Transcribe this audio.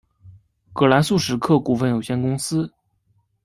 葛兰素史克股份有限公司。